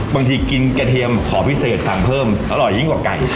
กินกระเทียมขอพิเศษสั่งเพิ่มอร่อยยิ่งกว่าไก่